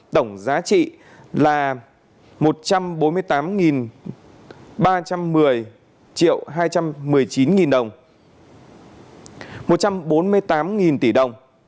tổng giá trị là một trăm bốn mươi tám ba trăm một mươi triệu hai trăm một mươi chín đồng một trăm bốn mươi tám tỷ đồng